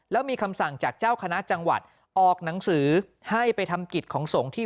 แล้วมีคำสั่งจากเจ้าคณะจังหวัดออกหนังสือให้ไปทำกิจของสงฆ์ที่